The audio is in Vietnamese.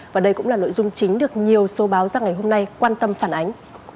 và đây cũng là nội dung chính được nhiều số báo ra ngày hôm nay quan tâm phản ánh